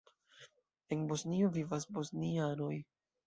En Bosnio vivas bosnianoj.